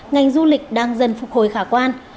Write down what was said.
ngành du lịch đang dần phục hồi khả quan